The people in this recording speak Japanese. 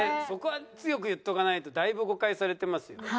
そこは強く言っておかないとだいぶ誤解されてますよ。